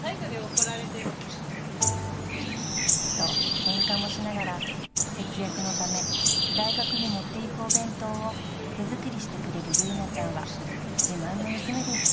［とケンカもしながら節約のため大学に持っていくお弁当を手作りしてくれる由奈ちゃんは自慢の娘です］